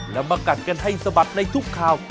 แล้วมากัดกันให้สะบัดในทุกข่าว